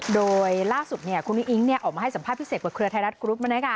โดยล่าสุดคุณอุ้งอิงออกมาให้สัมภาพพิเศษกับเครือไทยรัฐกรุ๊ป